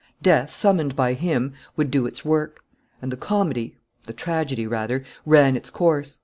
Death, summoned by him, would do its work.... And the comedy, the tragedy, rather, ran its course.